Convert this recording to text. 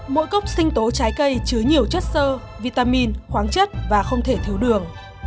mỗi cốc sinh tố trái cây chứa nhiều chất sơ vitamin khoáng chất và không thể thiếu đường